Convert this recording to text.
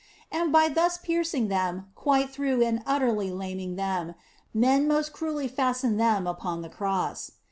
And by thus piercing them quite through and utterly laming them, men did most cruelly fasten them upon the Cross.